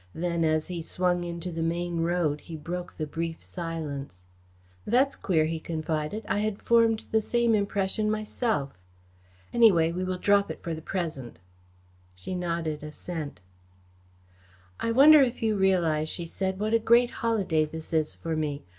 Then, as he swung into the main road, he broke the brief silence. "That's queer," he confided. "I had formed the same impression myself. Anyway, we will drop it for the present." She nodded assent. "I wonder if you realise," she said, "what a great holiday this is for me.